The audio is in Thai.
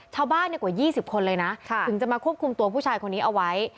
ชาวบ้านกว่า๒๐คนเลยนะถึงจะมาควบคุมตัวผู้ชายคนนี้เอาไว้